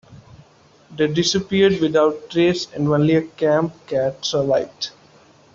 They disappeared without trace, and only a camp cat survived.